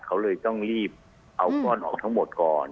เขาเลยต้องรีบเอาก้อนออกทั้งหมดก่อน